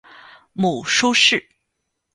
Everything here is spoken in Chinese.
母舒氏。